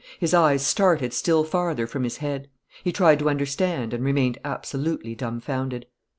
His eyes started still farther from his head. He tried to understand and remained absolutely dumfounded.